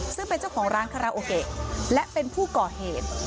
ซึ่งเป็นเจ้าของร้านคาราโอเกะและเป็นผู้ก่อเหตุ